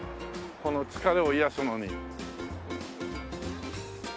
この疲れを癒やすのに。